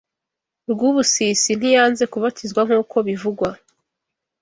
Rwubusisi ntiyanze kubatizwa nkuko bivugwa